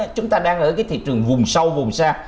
chúng ta đang ở cái thị trường vùng sâu vùng xa